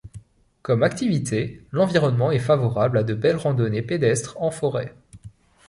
Comme activités, l'environnement est favorable à de belles randonnées pédestres en forêt.